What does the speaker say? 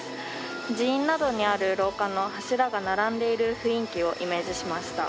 寺院などにある廊下の柱が並んでいる雰囲気をイメージしました。